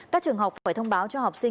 các trường học phải thông báo cho học sinh